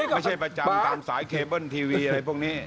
ประจำตามสายเคเบิ้ลทีวีอะไรพวกนี้